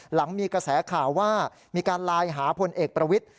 หลังมีกระแสข่าวว่ามีการไลน์หาพลเอกประวิทธิ